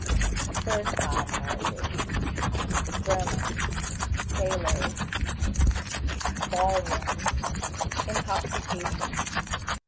Third Class Houses. Germans. Sailors. Ball rooms. Intoxication.